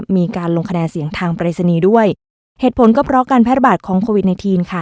มีการลงคะแนนเสียงทางปรายศนีย์ด้วยเหตุผลก็เพราะการแพร่ระบาดของโควิดในทีนค่ะ